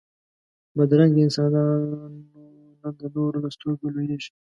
بدرنګه انسانونه د نورو له سترګو لوېږي